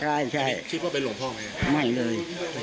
ใช่ใช่คิดว่าเป็นหลวงพ่อไหมไม่เลยไม่ใช่